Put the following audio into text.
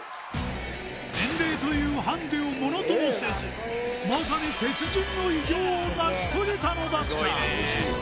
年齢というハンデをものともせずまさにを成し遂げたのだった